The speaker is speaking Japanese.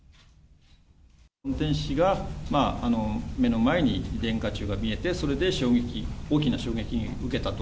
運転士が目の前に電化柱が見えて、それで衝撃、大きな衝撃を受けたと。